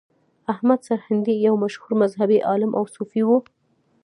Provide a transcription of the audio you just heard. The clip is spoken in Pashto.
احمد سرهندي یو مشهور مذهبي عالم او صوفي و.